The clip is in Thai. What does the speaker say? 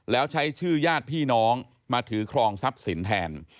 แล้วใช้ชื่อญาติพี่น้องมาถือครองทรัพย์สินแทน